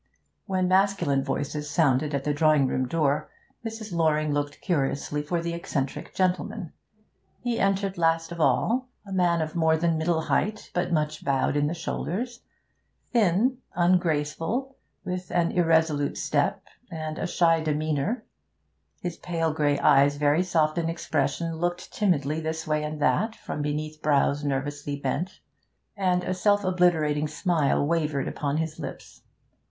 When masculine voices sounded at the drawing room door, Mrs. Loring looked curiously for the eccentric gentleman. He entered last of all. A man of more than middle height, but much bowed in the shoulders; thin, ungraceful, with an irresolute step and a shy demeanour; his pale grey eyes, very soft in expression, looked timidly this way and that from beneath brows nervously bent, and a self obliterating smile wavered upon his lips.